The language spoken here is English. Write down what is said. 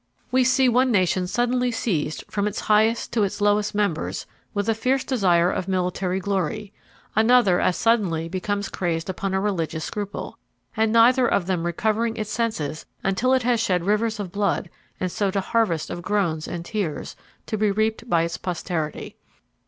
We see one nation suddenly seized, from its highest to its lowest members, with a fierce desire of military glory; another as suddenly becoming crazed upon a religious scruple; and neither of them recovering its senses until it has shed rivers of blood and sowed a harvest of groans and tears, to be reaped by its posterity.